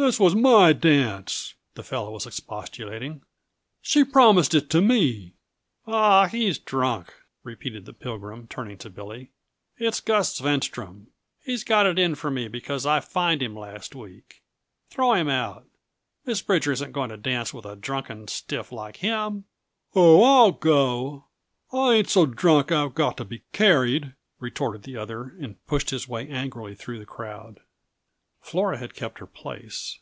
"This was my dance!" the fellow was expostulating. "She promised it to me." "Aw, he's drunk," repeated the Pilgrim, turning to Billy. "It's Gus Svenstrom. He's got it in for me because I fired him last week. Throw him out! Miss Bridger isn't going to dance with a drunken stiff like him." "Oh, I'll go I ain't so drunk I've got to be carried!" retorted the other, and pushed his way angrily through the crowd. Flora had kept her place.